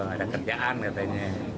ada kerjaan katanya